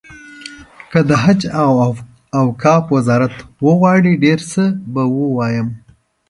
که د حج او اوقافو وزارت وغواړي ډېر څه به ووایم.